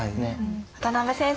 渡辺先生